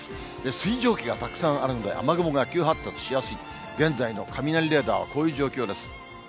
水蒸気がたくさんあるので、雨雲が急発達しやすい、現在の雷レーダーはこういう状況です。